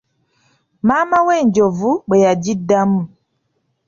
Maama we'enjovu bwe yagiddamu.